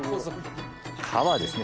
皮ですね。